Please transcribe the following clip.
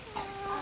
あ。